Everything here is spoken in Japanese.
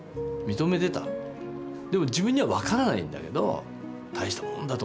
でも自分には分からないんだけど大したもんだと。